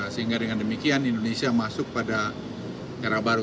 sehingga dengan demikian indonesia masuk pada era baru